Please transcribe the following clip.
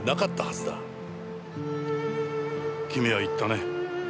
君は言ったね。